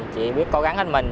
chỉ biết cố gắng hết mình